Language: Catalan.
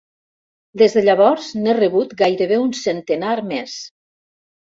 Des de llavors n'he rebut gairebé un centenar més.